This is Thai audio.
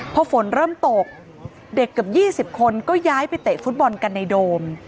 พอฝนเริ่มตกเด็กเกือบ๒๐คนก็ย้ายไปเตะฟุตบอลกันในโดม